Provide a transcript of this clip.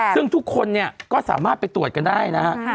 ซึ่งทุกคนก็สามารถไปตรวจกันได้นะครับ